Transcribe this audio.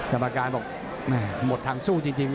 คำอาการบอกหมดทางสู้จริง